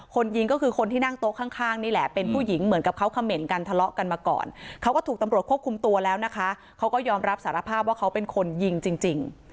คนยิงก็คือคนที่นั่งโต๊ะข้างนี่แหละเป็นผู้หญิงเหมือนกับเขาเขม่นกันทะเลาะกันมาก่อนเขาก็ถูกตำรวจควบคุมตัวแล้วนะคะเขาก็ยอมรับสารภาพว่าเขาเป็นคนยิงจริง